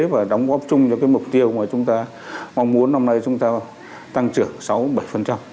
và đóng góp chung cho cái mục tiêu mà chúng ta mong muốn năm nay chúng ta tăng trưởng sáu bảy